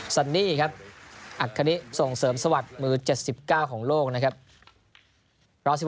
ซันนี่ครับอัคคณิส่งเสริมสวัสดิ์มือ๗๙ของโลกนะครับ